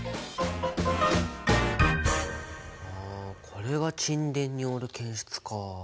これが沈殿による検出か。